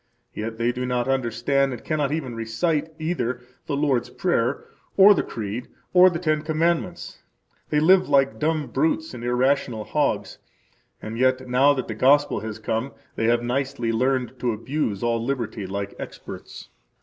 Yet they [ do not understand and] cannot [ even] recite either the Lord's Prayer, or the Creed, or the Ten Commandments; they live like dumb brutes and irrational hogs; and yet, now that the Gospel has come, they have nicely learned to abuse all liberty like experts.